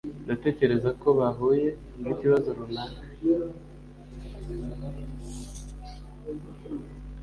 Ndatekereza ko bahuye nikibazo runaka